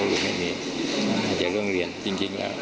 เรื่องเรียนจริงแล้ว